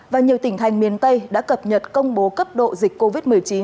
và nhiều tỉnh thành miền tây đã cập nhật công bố cấp độ dịch covid một mươi chín